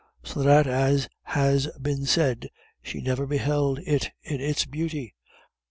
So that, as has been said, she never beheld it in its beauty.